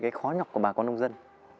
cái khó nhọc của bà con nông dân